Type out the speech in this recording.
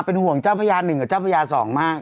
เป็นห่วงเจ้าพระยา๑กับเจ้าพญา๒มาก